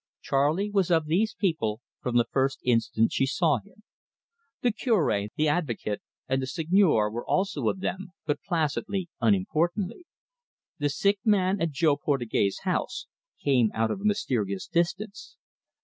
Charley was of these people from the first instant she saw him. The Cure, the Avocat, and the Seigneur were also of them, but placidly, unimportantly. "The Sick Man at Jo Portugais' House" came out of a mysterious distance.